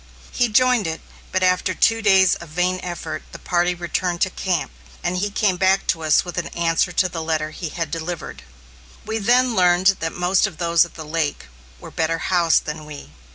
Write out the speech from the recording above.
He joined it, but after two days of vain effort, the party returned to camp, and he came back to us with an answer to the letter he had delivered. We then learned that most of those at the lake were better housed than we.